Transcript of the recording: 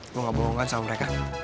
lo gak bohong kan sama mereka